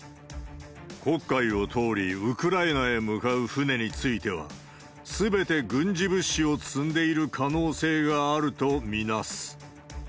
黒海を通りウクライナへ向かう船については、すべて軍事物資を積んでいる可能性があると見なす。